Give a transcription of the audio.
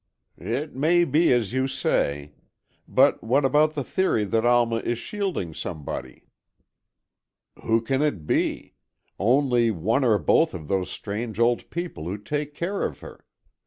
"It may be as you say. But what about the theory that Alma is shielding somebody?" "Who can it be? Only one or both of those strange old people who take care of her.